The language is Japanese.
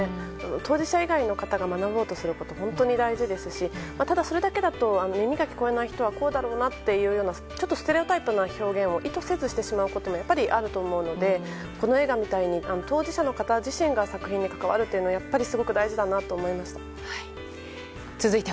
当事者以外の方が学ぼうとすることは本当に大事ですしただ、それだけだと耳が聞こえない人はこうだろうというステレオタイプの表現を意図せずしてしまうこともやっぱり、あると思うのでこの映画みたいに当事者の方自身が作品に関わるのはやっぱり、すごく大事だなと思いました。